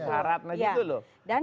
gak berharap lagi gitu loh